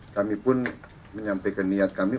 kami pun menyampaikan niat kami